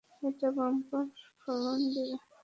এটা বাম্পার ফলন দিবে।